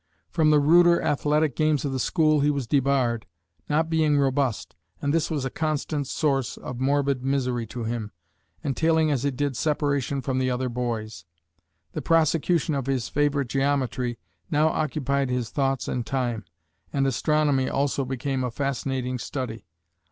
From the ruder athletic games of the school he was debarred, not being robust, and this was a constant source of morbid misery to him, entailing as it did separation from the other boys. The prosecution of his favorite geometry now occupied his thoughts and time, and astronomy also became a fascinating study.